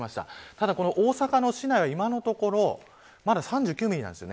ただ大阪の市内は今のところまだ３９ミリなんです